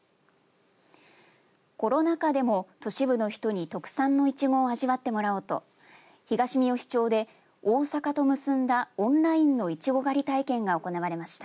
コロナ禍でも都市部の人に特産のイチゴを味わってもらおうと東みよし町で大阪と結んだオンラインのイチゴ狩り体験が行われました。